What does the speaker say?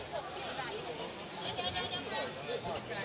ขอสิทธิ์นะ